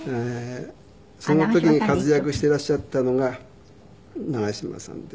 その時に活躍していらっしゃったのが長嶋さんで。